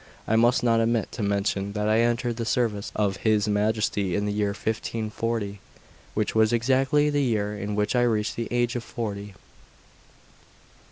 I must not omit to mention that I entered the service of his Majesty in the year 1540, which was exactly the year in which I reached the age of forty.